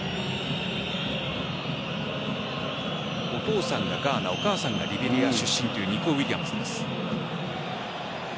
お父さんがガーナお母さんがリベリア出身というニコウィリアムズです。